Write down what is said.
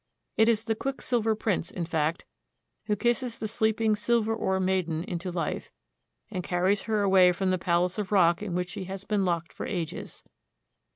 It is the quicksilver prince, in fact, who kisses the sleeping silver ore maiden into life, and carries her away from the palace of rock in which she has been locked for ages.